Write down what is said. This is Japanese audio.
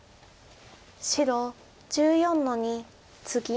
白１４の二ツギ。